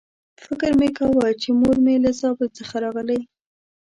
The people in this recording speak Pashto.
فکر مې کاوه چې مور مې له زابل څخه راغلې.